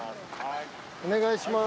お願いします。